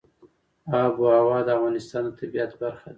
آب وهوا د افغانستان د طبیعت برخه ده.